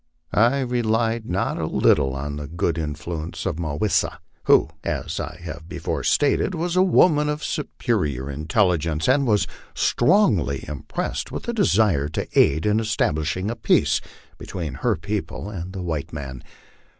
I relied not a little on the good influence of Mah wis sa, who, as I have before stated, was a woman of superior intelligence, and was strongly impressed with a desire to aid in establishing a peace between her people and the white men.